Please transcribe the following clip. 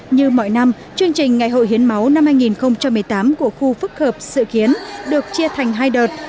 như mọi năm chương trình ngày hội hiến máu năm hai nghìn một mươi tám của khu phức hợp sự kiến được chia thành hai đợt